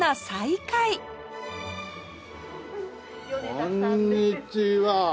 こんにちは。